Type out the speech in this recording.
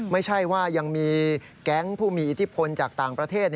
ไม่ใช่ว่ายังมีแก๊งผู้มีอิทธิพลจากต่างประเทศ